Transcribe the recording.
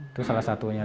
itu salah satunya